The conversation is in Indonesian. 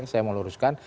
saya mau luruskan